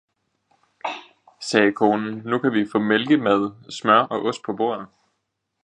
sagde konen, nu kan vi få mælkemad, smør og ost på bordet.